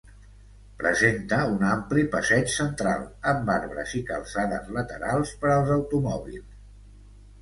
Presenta un ampli passeig central amb arbres i calçades laterals per als automòbils.